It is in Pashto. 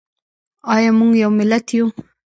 ایا موږ یو ملت یو؟